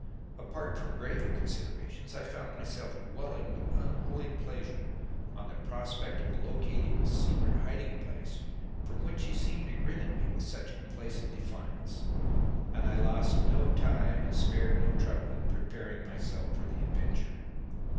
Apart from graver considerations, I found myself dwelling with unholy pleasure on the prospect of locating the secret hiding place from which he seemed to grin at me with such complacent defiance; and I lost no time and spared no trouble in preparing myself for the adventure.